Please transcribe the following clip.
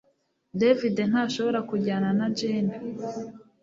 David ntashobora kujyana na Jane